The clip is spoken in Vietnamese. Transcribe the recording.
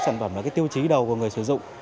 nó là cái tiêu chí đầu của người sử dụng